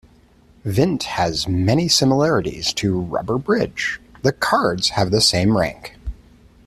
Vint has many similarities to rubber bridge: The cards have the same rank.